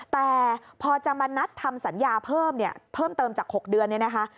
แต่พอจะมานัดทำสัญญาเพิ่มเนี่ยเพิ่มเติมจาก๖เดือนเนี่ยนะคะ